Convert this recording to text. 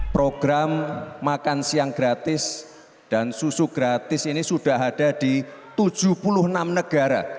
program makan siang gratis dan susu gratis ini sudah ada di tujuh puluh enam negara